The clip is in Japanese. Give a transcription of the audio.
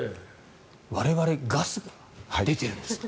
我々、ガスが出てるんですね。